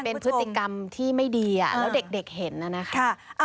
เป็นพฤติกรรมที่ไม่ดีแล้วเด็กเห็นน่ะนะคะ